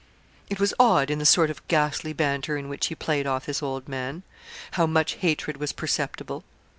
It was odd, in the sort of ghastly banter in which he played off this old man, how much hatred was perceptible.